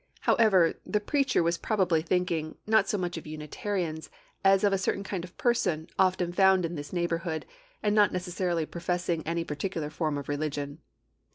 However, the preacher was probably thinking, not so much of Unitarians as of a certain kind of person often found in this neighborhood, and not necessarily professing any particular form of religion.